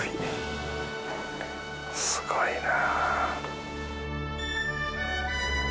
すごいな。